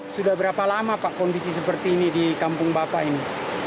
sudah berapa lama pak kondisi seperti ini di kampung bapak ini